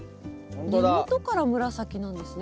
根元から紫なんですね。